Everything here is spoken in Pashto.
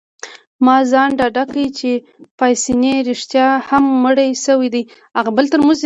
ما ځان ډاډه کړ چي پاسیني رښتیا هم مړی شوی دی.